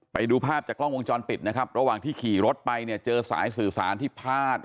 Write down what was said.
ไปดูภาพจากกล้องวงจรปิดนะครับระหว่างที่ขี่รถไปเนี่ยเจอสายสื่อสารที่พาด